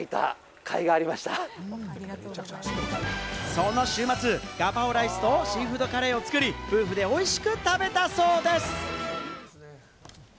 その週末、ガパオライスとシーフードカレーを作り、夫婦でおいしく食べたそうです。